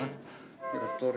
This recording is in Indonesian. hahaha giri tori